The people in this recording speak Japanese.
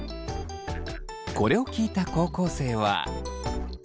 これを聞いた高校生は。